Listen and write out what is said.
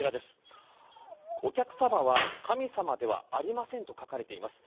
お客様は神様ではありませんと書かれています。